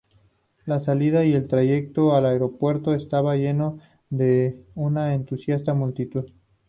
La salida y el trayecto al aeropuerto estaba lleno de una entusiasta multitud.